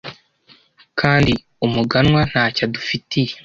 kandi umuganwa ntacyo adufitiye